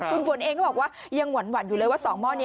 คุณฝนเองก็บอกว่ายังหวั่นอยู่เลยว่า๒หม้อนี้